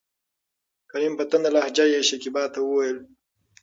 کريم : په تنده لهجه يې شکيبا ته وويل: